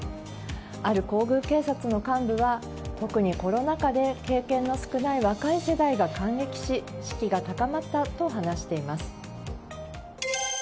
ある皇宮警察の幹部は特にコロナ禍で経験の少ない若い世代が感激し士気が高まったと話しています。